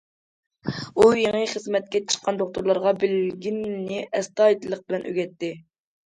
ئۇ يېڭى خىزمەتكە چىققان دوختۇرلارغا بىلگىنىنى ئەستايىدىللىق بىلەن ئۆگەتتى.